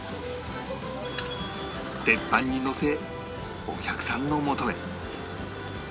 鉄板にのせお客さんのもとへ